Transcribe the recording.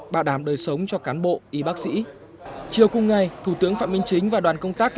bảo đảm đời sống cho cán bộ y bác sĩ chiều cùng ngày thủ tướng phạm minh chính và đoàn công tác